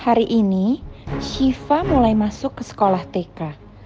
hari ini shiva mulai masuk ke sekolah tk